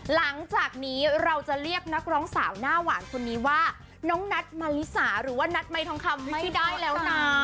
หลังจากนี้เราจะเรียกนักร้องสาวหน้าหวานคนนี้ว่าน้องนัทมาริสาหรือว่านัทไม้ทองคำให้ได้แล้วนะ